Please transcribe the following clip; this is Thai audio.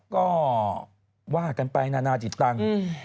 ก็ว่ากันไปนานาจิตตังค์